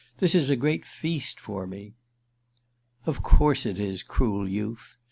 This is a great feast for me!" "Of course it is, cruel youth.